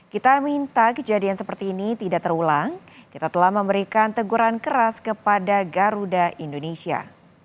kita minta kejadian seperti ini tidak terulang kita telah memberikan teguran keras kepada garuda indonesia